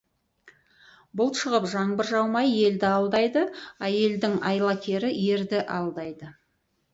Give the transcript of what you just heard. Бұлт шығып, жаңбыр жаумай, елді алдайды, әйелдің айлакері ерді алдайды.